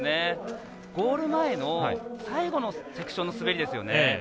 ゴール前の最後のセクションの滑りですよね。